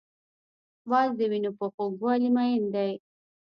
باز د وینو په خوږوالي مین دی